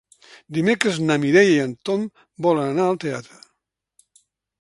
Dimecres na Mireia i en Tom volen anar al teatre.